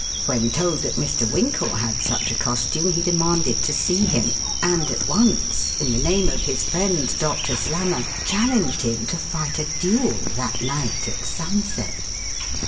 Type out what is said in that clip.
When told that Mr. Winkle had such a costume he demanded to see him, and at once, in the name of his friend Doctor Slammer, challenged him to fight a duel that night at sunset.